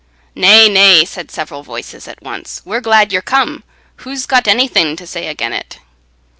"Nay, nay," said several voices at once, "we're glad ye're come. Who's got anything to say again' it?"